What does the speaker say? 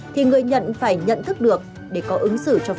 thì người nhận phải nhận thức được để có ứng xử cho phù hợp